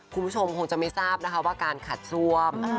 คุณผู้ชมคงจะไม่ทราบนะคะว่าการขัดซ่วม